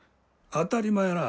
当たり前ら。